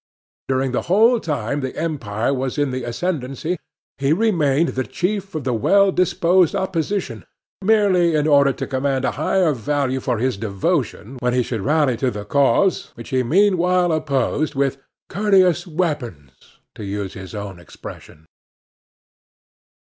During the whole time the Empire was in the ascendancy he remained the chief of the well disposed Opposition, merely in order to command a higher value for his devotion when he should rally to the cause which he meanwhile opposed with "courteous weapons," to use his own expression.